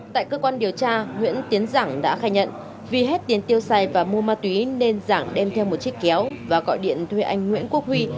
tại cơ quan điều tra nguyễn tiến giảng đã khai nhận vì hết tiền tiêu xài và mua ma túy nên giảng đem theo một chiếc kéo và gọi điện thuê anh nguyễn quốc huy